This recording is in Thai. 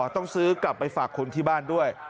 ต้องซื้อกลับไปฝากคนที่บ้านด้วย